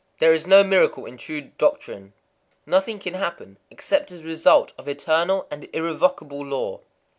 _ There is no miracle in true doctrine. Nothing can happen except as a result of eternal and irrevocable law.